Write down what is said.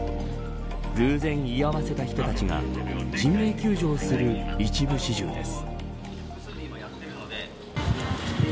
偶然、居合わせた人たちが人命救助をする一部始終です。